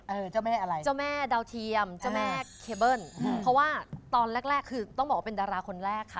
เจ้าแม่อะไรเจ้าแม่ดาวเทียมเจ้าแม่เคเบิ้ลอืมเพราะว่าตอนแรกแรกคือต้องบอกว่าเป็นดาราคนแรกค่ะ